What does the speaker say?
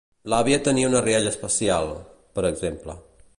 “L'àvia tenia una rialla especial”, per exemple.